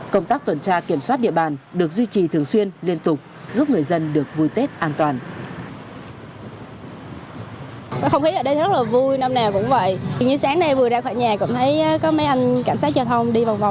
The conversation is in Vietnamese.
công tác tuần tra kiểm soát địa bàn được duy trì thường xuyên liên tục giúp người dân được vui tết an toàn